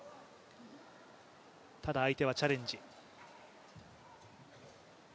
ただ相手はチャレンジ。